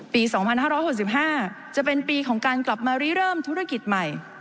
ปีสองพันห้าร้อยหกสิบห้าจะเป็นปีของการกลับมารีเริ่มธุรกิจใหม่